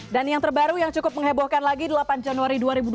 dan yang terbaru yang cukup mengebohkan lagi delapan januari dua ribu dua puluh